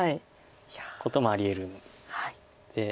こともありえるんで。